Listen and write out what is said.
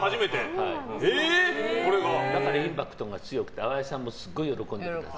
だからインパクトが強くて淡谷さんもすごい喜んでて。